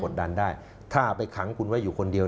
ถ้าเอาไปขังคุณไว้อยู่คนเดียว